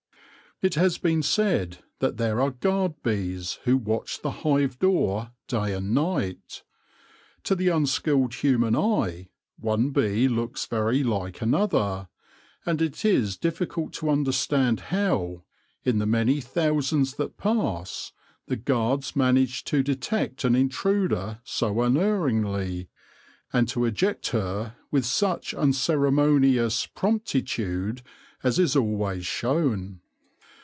It has been said that there are guard bees who watch the hive door day and night. To the unskilled human eye one bee looks very like another, and it is difficult to understand how, in the many thousands that pass, the guards manage to detect an intruder so unerringly, and to eject her with such unceremonious promptitude as is always shown.